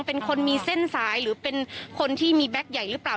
เป็นคนมีเส้นสายหรือเป็นคนที่มีแบ็คใหญ่หรือเปล่า